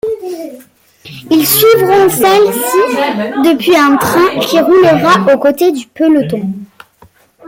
Ils suivront celle-ci depuis un train qui roulera au côté du peloton.